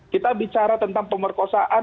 kita bicara tentang pemerkosaan